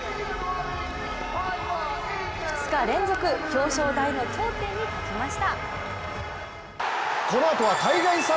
２日連続表彰台の頂点に立ちました。